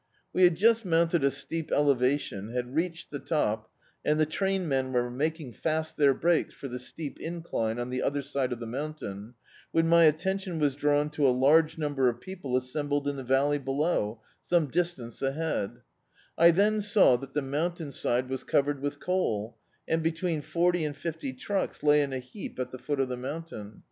We had just mounted a steep ele vation, had reached the top, and the train men were making fast iht'ii brakes for the steep incline on the other side of the mountain, when my attention was drawn to a large number of people assembled in the valley below, some distance ahead I then saw that the mountain side was covered with coal, and between forty and fifty trucks lay in a heap at the foot of the mountain.